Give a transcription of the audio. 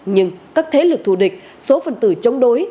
nhưng các thế lực thù địch số phần tử chống đối